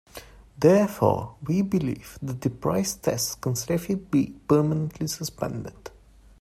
Therefore, we believe that the price-tests can safely be permanently suspended.